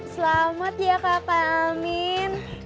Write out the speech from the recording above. selamat ya kakak amin